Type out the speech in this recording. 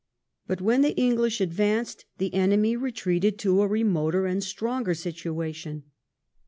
But wlien the English advanced, the enemy retreated to a remoter and stronger situation.